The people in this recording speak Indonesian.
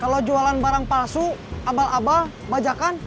kalau jualan barang palsu abal abal bajakan